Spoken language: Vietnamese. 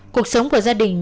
cuộc sống của gia đình